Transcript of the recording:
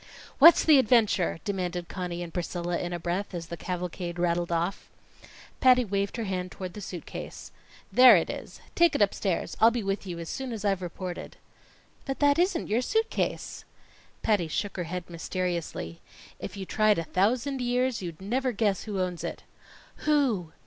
"What's the adventure?" demanded Conny and Priscilla in a breath, as the cavalcade rattled off. Patty waved her hand toward the suit case. "There it is. Take it upstairs. I'll be with you as soon as I've reported." "But that isn't your suit case." Patty shook her head mysteriously. "If you tried a thousand years you'd never guess who owns it." "Who?"